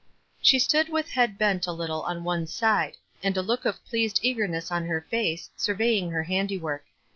She stood with head bent a little on one Fide, and a look of pleased eagerness on her face, surveying her handiwork.